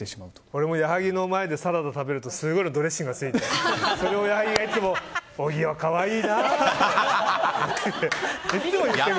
俺も矢作の前でサラダ食べるとすごいドレッシングがついてそれを矢作がいつも小木は可愛いなって。